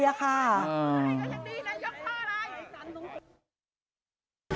ใช่ก็อย่างนี้นายยกท่าร้าย